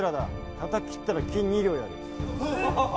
たたき斬ったら金２両やる。